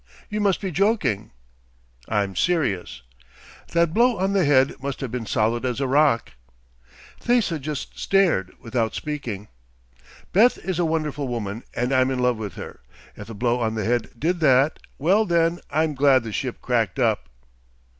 You must be joking." "I'm serious." "That blow on the head must have been solid as a rock." Thesa just stared, without speaking. "Beth is a wonderful woman and I'm in love with her. If the blow on the head did that ... well then, I'm glad the ship cracked up."